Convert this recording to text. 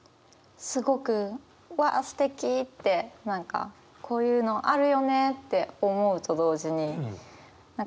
すごく「わあすてき」って何か「こういうのあるよね」って思うと同時にあ！